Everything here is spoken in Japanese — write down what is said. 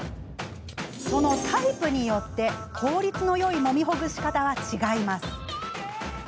そのタイプによって効率のよいもみほぐし方は、違います。